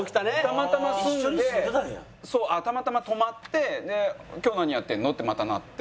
たまたま住んであったまたま泊まって「今日何やってんの？」ってまたなって。